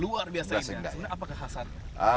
luar biasa ini apa kekhasannya